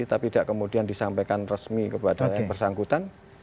tapi tidak kemudian disampaikan resmi kepada yang bersangkutan